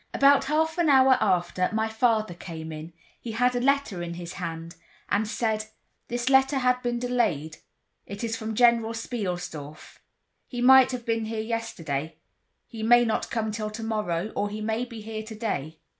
About half an hour after my father came in—he had a letter in his hand—and said: "This letter had been delayed; it is from General Spielsdorf. He might have been here yesterday, he may not come till tomorrow or he may be here today."